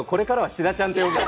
志田ちゃんとか。